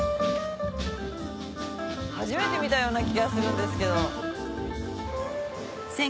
初めて見たような気がするんですけど。